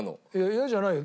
イヤじゃないよ。